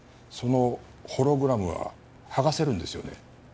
そのホログラムははがせるんですよね？